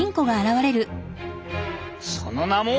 その名も。